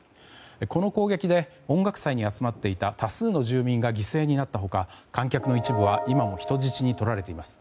この攻撃で、音楽祭に集まっていた多数の住民が犠牲になった他、観客の一部は今も人質に取られています。